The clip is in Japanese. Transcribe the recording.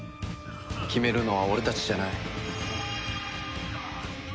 決めるのは俺たちじゃない。